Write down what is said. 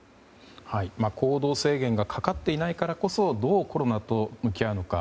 行動制限がかかっていないからこそどうコロナと向き合うのか。